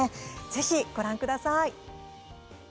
ぜひご覧ください。